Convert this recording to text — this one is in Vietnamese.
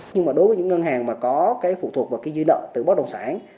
nhưng mà đối với những ngân hàng mà có cái phụ thuộc vào cái dư nợ từ bất đồng sản